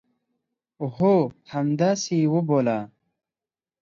هو، همداسي یې وبوله